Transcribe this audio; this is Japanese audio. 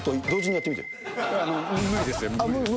無理ですね。